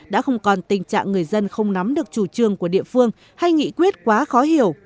đã không còn tình trạng người dân không nắm được chủ trương của địa phương hay nghị quyết quá khó hiểu